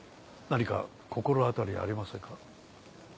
何か心当たりありませんか？